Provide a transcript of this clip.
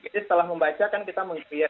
jadi setelah membaca kan kita mengkriak